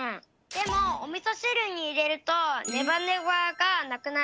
でもおみそしるにいれるとネバネバがなくなる。